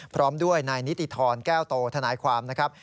พร้อมด้วยนายนิติธรแก้วโตทนายความนะครับ